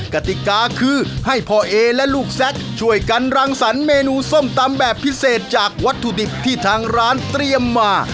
กติกาคือให้พ่อเอและลูกแซคช่วยกันรังสรรคเมนูส้มตำแบบพิเศษจากวัตถุดิบที่ทางร้านเตรียมมา